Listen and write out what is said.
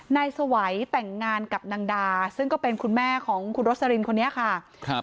นายสวัยแต่งงานกับนางดาซึ่งก็เป็นคุณแม่ของคุณโรสลินคนนี้ค่ะครับ